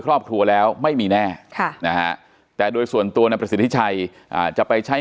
ครอบครัวแล้วไม่มีแน่แต่โดยส่วนตัวนายประสิทธิชัยจะไปใช้